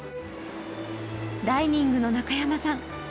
ダイニングの中山さん